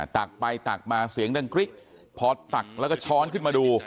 ตักไปตักมาเสียงดังกริ๊กพอตักแล้วก็ช้อนขึ้นมาดู